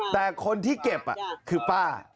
แต่คนที่เก็บคือป้า